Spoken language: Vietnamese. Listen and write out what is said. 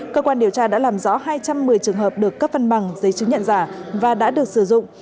cơ quan điều tra đã làm rõ hai trăm một mươi trường hợp được cấp văn bằng giấy chứng nhận giả và đã được sử dụng